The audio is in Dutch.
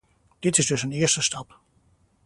Dit is dus een eerste stap.